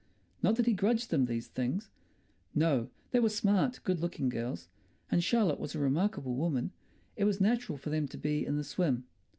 Not that he grudged them these things. No, they were smart, good looking girls, and Charlotte was a remarkable woman; it was natural for them to be in the swim.